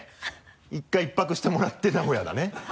１回１泊してもらって名古屋だね。